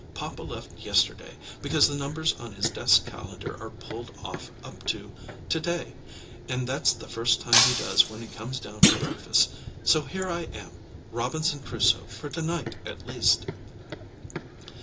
Papa left yesterday, because the numbers on his desk calender are pulled off up to to day, and that's the first thing he does when he comes down for breakfast. So here I am, Robinson Crusoe for to night at least."